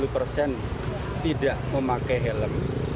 dua puluh persen tidak memakai helm